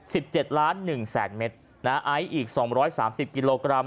สิบเจ็ดล้านหนึ่งแสนเมตรนะฮะไอซ์อีกสองร้อยสามสิบกิโลกรัม